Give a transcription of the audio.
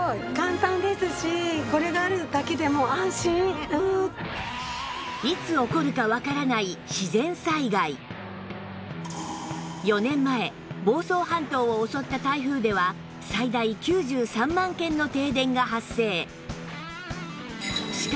実際にこちらはいつ起こるかわからない４年前房総半島を襲った台風では最大９３万軒の停電が発生